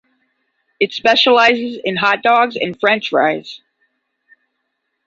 It specializes in hot dogs and french fries.